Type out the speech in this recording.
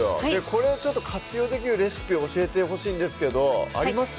これをちょっと活用できるレシピを教えてほしいんですけどあります？